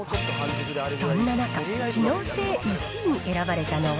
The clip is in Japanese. そんな中、機能性１位に選ばれたのは。